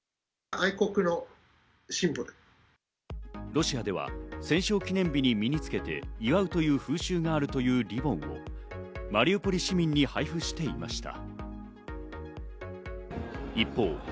ロシアでは戦勝記念日に身につけて祝うという風習があるというリボンをマリウポリ市民に配布していました。